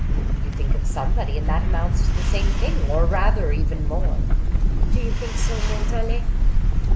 "You think of somebody, and that amounts to the same thing, or rather even more." "Do you think so, Montalais?"